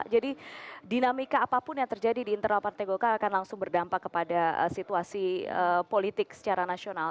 jadi dinamika apapun yang terjadi di internal partai golkar akan langsung berdampak kepada situasi politik secara nasional